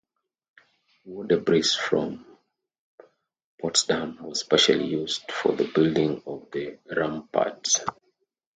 War debris from Potsdam was partially used for the building of the ramparts.